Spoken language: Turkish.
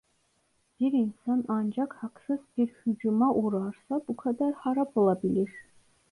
Bir insan ancak haksız bir hücuma uğrarsa bu kadar harap olabilir.